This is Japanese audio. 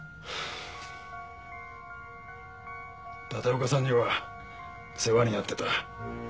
立岡さんには世話になってた。